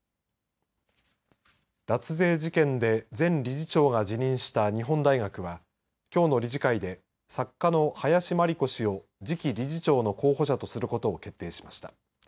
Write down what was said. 脱税事件で前理事長が辞任した日本大学はきょうの理事会で作家の林真理子氏を次期理事長の候補者とすることを決定しました。